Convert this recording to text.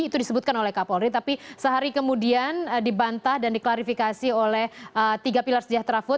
itu disebutkan oleh kapolri tapi sehari kemudian dibantah dan diklarifikasi oleh tiga pilar sejahtera food